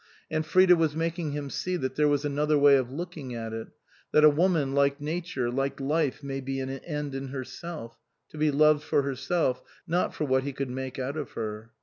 And Frida was making him see that there was another way of looking at it that a woman, like nature, like life, may be an end in herself, to be loved for herself, not for what he could make out of her.